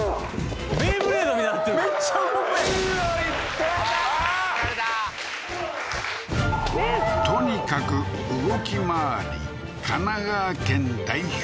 ベイブレードみたいなってるめっちゃ動くやん面あり取られたとにかく動き回り神奈川県代表